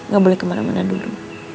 gak boleh kemana mana dulu